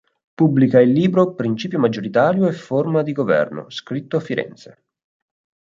Pubblica il libro "Principio maggioritario e forma di Governo" scritto a Firenze.